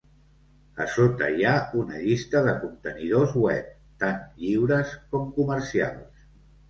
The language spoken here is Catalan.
A sota hi ha una llista de contenidors web, tant lliures com comercials.